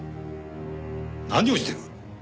何をしている。